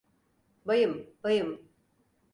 Bayım, bayım.